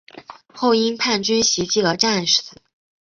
后因叛军袭击而战死。